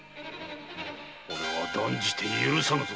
俺は断じて許さぬぞ。